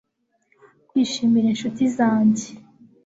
kwishimira inshuti zanjye